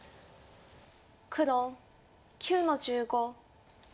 黒９の十五。